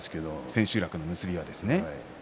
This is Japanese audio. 千秋楽の結びはですね。